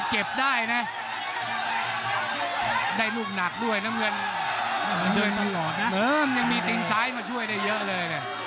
เหอมันยังมีติ้งซ้ายมาช่วยได้เยอะเลย